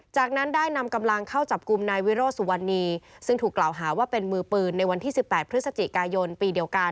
จากนั้นได้นำกำลังเข้าจับกลุ่มนายวิโรธสุวรรณีซึ่งถูกกล่าวหาว่าเป็นมือปืนในวันที่๑๘พฤศจิกายนปีเดียวกัน